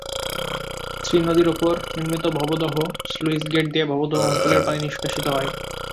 শ্রী নদীর ওপর নির্মিত ভবদহ স্লুইসগেট দিয়ে ভবদহ অঞ্চলের পানি নিষ্কাশিত হয়।